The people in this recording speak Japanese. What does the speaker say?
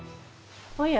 おや。